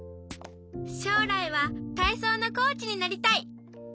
しょうらいはたいそうのコーチになりたい！